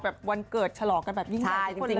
แบบวันเกิดเฉลอกกันแบบยิ่งมากกว่านี้